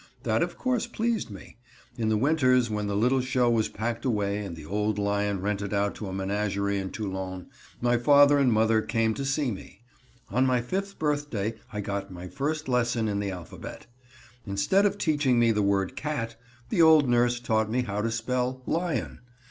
That of course pleased me. In the winters, when the little show was packed away and the old lion rented out to a menagerie in Toulon, my father and mother came to see me. On my fifth birthday I got my first lesson in the alphabet. Instead of teaching me the word cat, the old nurse taught me how to spell lion.